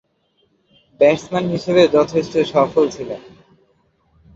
Batsman হিসেবেও যথেষ্ট সফল ছিলেন।